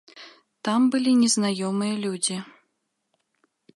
Там былі незнаёмыя людзі.